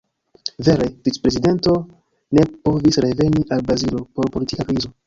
Vere, vic-prezidento ne povis reveni al Brazilo por politika krizo.